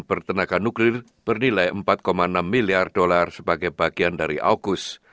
bertenaga nuklir bernilai empat enam miliar dolar sebagai bagian dari aukus